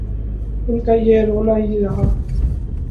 ان کا یہ رونا ہی رہا۔